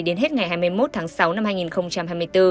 đến hết ngày hai mươi một tháng sáu năm hai nghìn hai mươi bốn